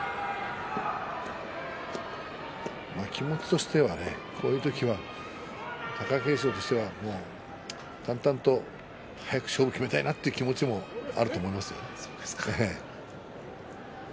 気持ちとしてはこういう時、貴景勝としては淡々と早く勝負を決めたいなという気持ちもあると思います。